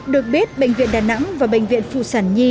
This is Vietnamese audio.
được biết bệnh viện đà nẵng và bệnh viện phụ sản nhi